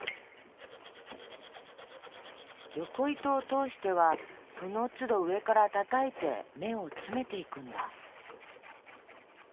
横糸を通してはそのつど上からたたいて目を詰めていくんだ。